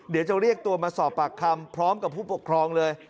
เดี๋ยวจะเรียกตัวมาสอบปากคำพร้อมกับผู้ปกครองเลย